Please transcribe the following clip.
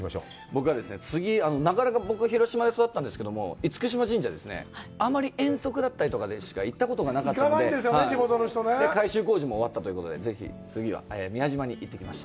僕は、次、広島で育ったんですけど、嚴島神社ですね、あまり遠足だったりとかでしか行ったことがなかったので、改修工事も終わったということで、次は宮島に行ってきました。